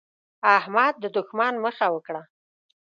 احمد د دوښمن مخه وکړه.